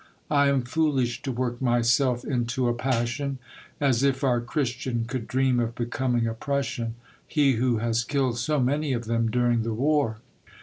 " I am foolish to work myself into a passion ! As if our Christian could dream of becoming a Prussian, — he who has killed so many of them dur ing the war."